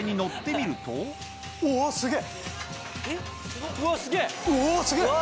おすげぇ！